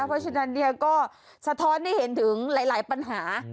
เพราะฉะนั้นก็สะท้อนให้เห็นถึงหลายปัญหา